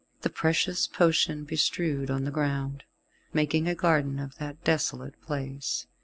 The precious potion bestrewed the ground, making a garden of that desolate place.